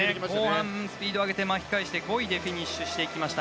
後半スピードを上げて巻き返して５位でフィニッシュしていきました。